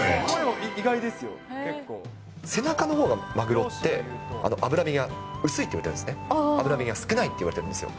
背中のほうがマグロって、脂身が薄いっていわれてるんですね、脂身が少ないっていわれているんですよ。